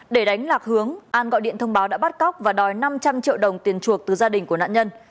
để đánh lạc hướng an gọi điện thông báo đã bắt cóc và đòi năm trăm linh triệu đồng tiền chuộc từ gia đình của nạn nhân